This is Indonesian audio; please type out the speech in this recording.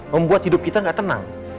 membuat hidup kita gak tenang